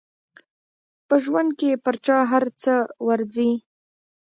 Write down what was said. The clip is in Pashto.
په ژوند کې پر چا هر څه ورځي.